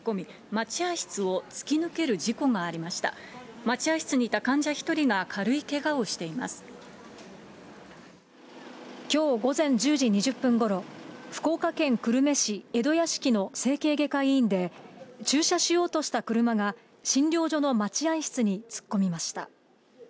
待合室にいた患者１人が軽いけがきょう午前１０時２０分ごろ、福岡県久留米市江戸屋敷の整形外科医院で、駐車しようとした車が、診療所の待合室に突っ込みました。